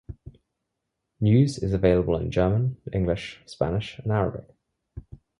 News is available in German, English, Spanish, and Arabic.